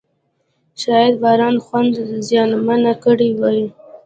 شاید باران خونه زیانمنه کړې وي.